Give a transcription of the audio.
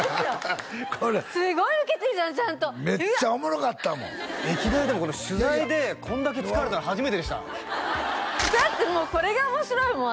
これすごい受けてるじゃんちゃんとうわっめっちゃおもろかったもん歴代でもこの取材でこんだけ疲れたの初めてでしただってもうこれが面白いもん